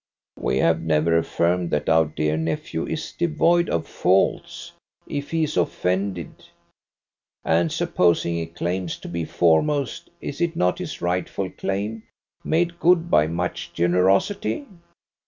"We have never affirmed that our dear nephew is devoid of faults, if he is offended ... And supposing he claims to be foremost, is it not his rightful claim, made good by much generosity?